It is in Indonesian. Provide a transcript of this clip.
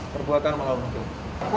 perbuatan melawan hukum